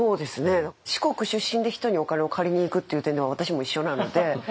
四国出身で人にお金を借りにいくっていう点では私も一緒なので。